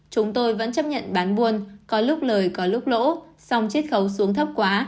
chúng tôi vẫn chấp nhận bán buôn có lúc lời có lúc lỗ xong chiết khấu xuống thấp quá